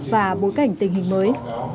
và bối cảnh tình hình mới